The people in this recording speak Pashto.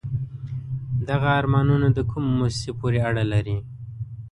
دغه آرمانون د کومو موسسو پورې اړه لري؟